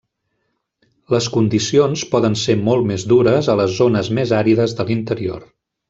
Les condicions poden ser molt més dures a les zones més àrides de l'interior.